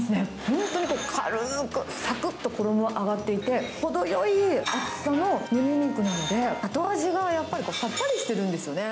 本当に軽ーく、さくっと、衣が揚がっていて、程よい厚さのムネ肉なので、後味がやっぱりさっぱりしてるんですよね。